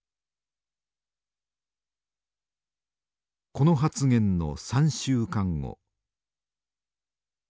この発言の３週間後。